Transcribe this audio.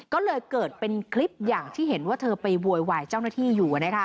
ก็เลยเกิดเป็นคลิปอย่างที่เห็นว่าเธอไปโวยวายเจ้าหน้าที่อยู่